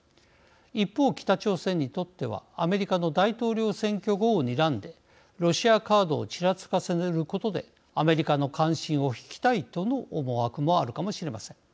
一方北朝鮮にとってはアメリカの大統領選挙後をにらんでロシアカードをちらつかせることでアメリカの関心をひきたいとの思惑もあるかもしれません。